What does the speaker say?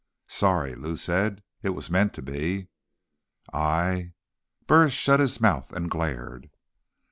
"Sorry," Lou said. "It was meant to be." "I—" Burris shut his mouth and glared.